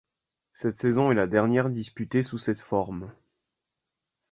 Cette saison est la dernière disputée sous cette forme.